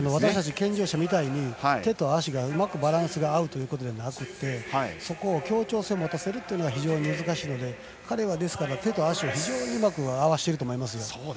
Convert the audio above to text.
健常者みたいに手と足がうまくバランスが合うということではなくてそこを強調するのは難しいので彼は、手と足を非常にうまく合わせていると思います。